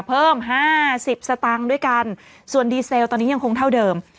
เพิ่มห้าสิบสตางค์ด้วยกันส่วนดีเซลตอนนี้ยังคงเท่าเดิม